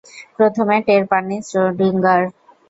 প্রথমে টের পাননি শ্রোডিঙ্গার।